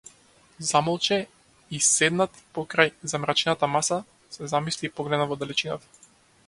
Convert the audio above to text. Замолче и, седнат покрај замрачената маса, се замисли и погледна во далечината.